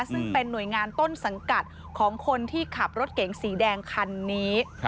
ซึ่งเป็นหน่วยงานต้นสังกัดของคนที่ขับรถเก๋งสีแดงคันนี้